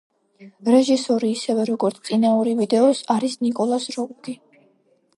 რეჟისორი, ისევე, როგორც წინა ორი ვიდეოს, არის ნიკოლას როუგი.